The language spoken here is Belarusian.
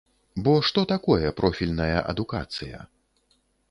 Бо што такое профільная адукацыя?